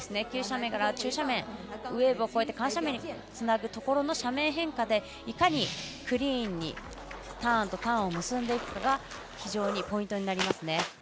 急斜面から中斜面ウエーブを越えて緩斜面につなぐところの斜面変化でいかにクリーンにターンとターンを結んでいくかが非常にポイントになりますね。